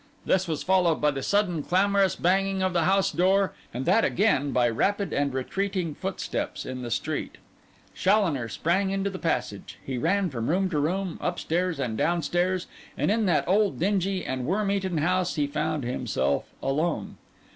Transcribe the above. This was followed by the sudden, clamorous banging of the house door; and that again, by rapid and retreating footsteps in the street. Challoner sprang into the passage. He ran from room to room, upstairs and downstairs; and in that old dingy and worm eaten house, he found himself alone.